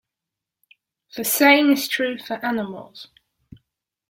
The same is true for animals.